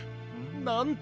なんて